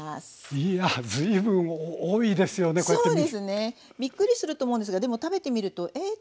そうですね。びっくりすると思うんですがでも食べてみるとえっ？